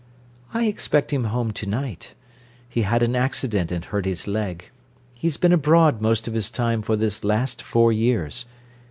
"I expect him home to night. He had an accident and hurt his leg. He's been abroad most of his time for this last four years.